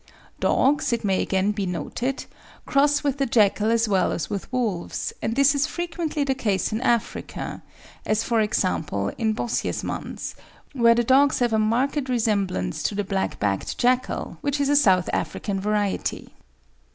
Dogs, it may again be noted, cross with the jackal as well as with wolves, and this is frequently the case in Africa, as, for example, in Bosjesmans, where the dogs have a marked resemblance to the black backed jackal, which is a South African variety.